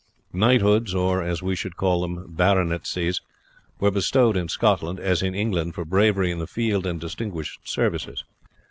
Knighthoods, or, as we should call them, baronetcies, were bestowed in Scotland, as in England, for bravery in the field and distinguished services.